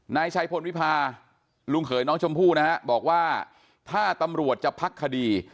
นายชัยพลวิพาลุงเขยน้องชมพู่นะฮะบอกว่าถ้าตำรวจจะพักคดี